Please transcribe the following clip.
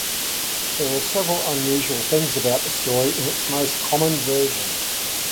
There were several unusual things about the story in its most common version.